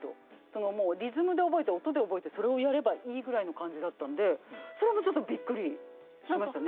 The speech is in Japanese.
もうリズムで覚えて音で覚えてそれをやればいいぐらいの感じだったんでそれもちょっとびっくりしましたね。